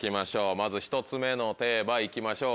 まず１つ目のテーマ行きましょう。